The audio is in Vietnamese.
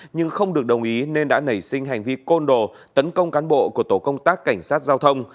nhưng không được đồng ý nên đã nảy sinh hành vi côn đồ tấn công cán bộ của tổ công tác cảnh sát giao thông